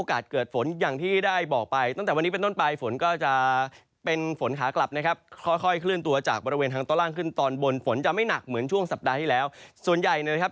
คุณผู้ชมดูภาพอากาศหลังจากนี้เนี่ยนะครับบริเวณตอนกลางประเทศช่วงเช้าวันนี้เนี่ยนะครับ